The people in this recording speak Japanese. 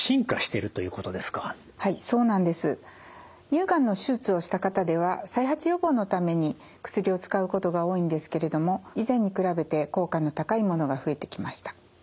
乳がんの手術をした方では再発予防のために薬を使うことが多いんですけれども以前に比べて効果の高いものが増えてきました。